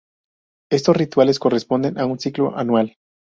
Estos rituales corresponden a un ciclo anual.